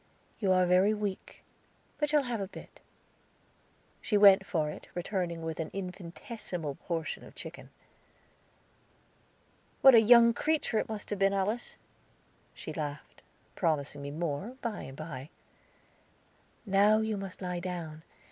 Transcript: "You are very weak, but shall have a bit." She went for it, returning with an infinitesimal portion of chicken. "What a young creature it must have been, Alice!" She laughed, promising me more, by and by. "Now you must lie down.